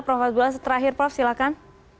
prof abdullah terakhir prof silakan